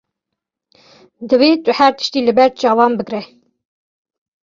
Divê tu her tiştî li ber çavan bigire.